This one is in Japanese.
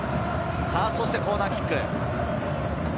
そしてコーナーキック。